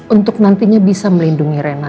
untuk nantinya bisa melindungi rena